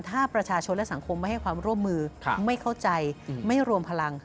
ถ้าประชาชนและสังคมไม่ให้ความร่วมมือไม่เข้าใจไม่รวมพลัง